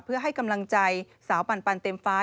เพื่อให้กำลังใจสาวปันเต็มฟ้า